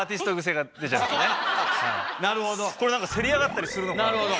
これせり上がったりするのかなと。